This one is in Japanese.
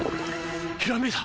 ひらめいた！